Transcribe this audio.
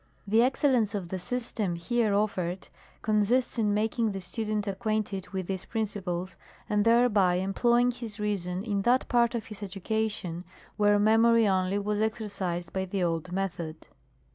The excellence of the system here offered consists in making the student acquainted with these principles, And thereby employing his reason in that part of his education, where memory only was ex ercised by the old method.